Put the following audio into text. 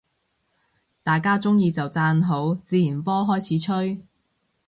大家鍾意就讚好，自然波開始吹